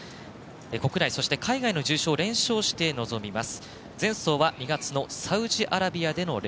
国内、そして海外の重賞を連勝して臨みます。